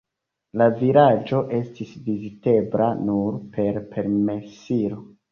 La vilaĝo estis vizitebla nur per permesilo.